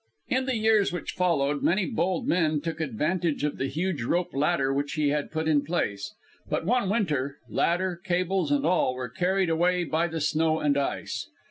In the years which followed, many bold men took advantage of the huge rope ladder which he had put in place; but one winter ladder, cables and all were carried away by the snow and ice.